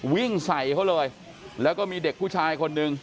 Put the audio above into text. วิ่งใส่เขาเลยแล้วก็มีเด็กผู้ชายคนหนึ่ง